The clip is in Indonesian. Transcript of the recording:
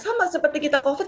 sama seperti kita covid